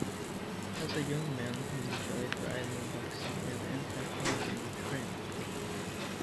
As a young man he enjoyed riding, boxing, and entertainment with friends.